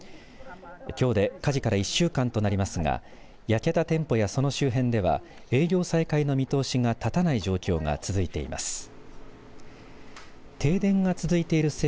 きょうで火事から１週間となりますが、焼けた店舗やその周辺では営業再開の見通しが立たない状況が続いていています。